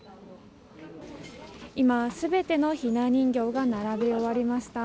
今、全てのひな人形が並べ終わりました。